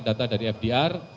data dari fdr